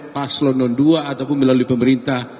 paslonon ii ataupun melalui pemerintah